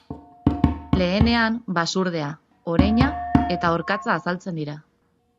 Lehenean, basurdea, oreina eta orkatza azaltzen dira.